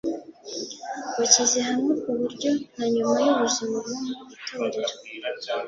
bishyize hamwe ku buryo na nyuma y'ubuzima bwo mu itorero